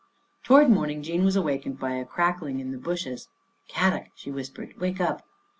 Toward morning Jean was awakened by a crackling in the bushes. " Kadok," she whis pered. " Wake up."